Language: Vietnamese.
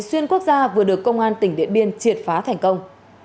xuyên quốc gia vừa được công an tỉnh điện biên triệt phá thành công